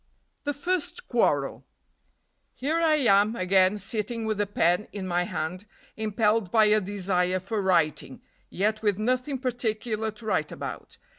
THE FIRST QUARREL. "Here I am again sitting with a pen in my hand, impelled by a desire for writing, yet with nothing particular to write about.